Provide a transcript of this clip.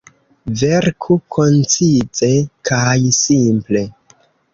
Verku koncize kaj simple.